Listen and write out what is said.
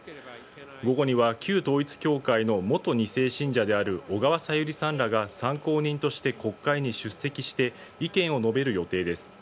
午後には旧統一教会の元２世信者である小川さゆりさんらが参考人として国会に出席して意見を述べる予定です。